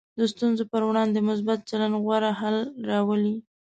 د ستونزو پر وړاندې مثبت چلند غوره حل راولي.